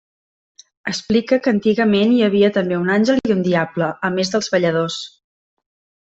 Explica que antigament hi havia també un àngel i un diable, a més dels balladors.